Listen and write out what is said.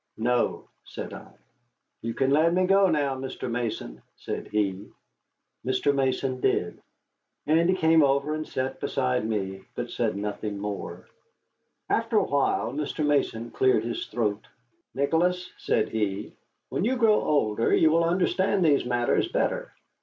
"No," I said. "You can let me go now, Mr. Mason," said he. Mr. Mason did. And he came over and sat beside me, but said nothing more. After a while Mr. Mason cleared his throat. "Nicholas," said he, "when you grow older you will understand these matters better.